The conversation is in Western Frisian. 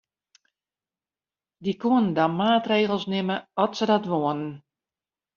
Dy koenen dan maatregels nimme at se dat woenen.